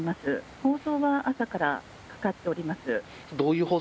放送が朝からかかっております。